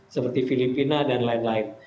seperti filipina dan lain lain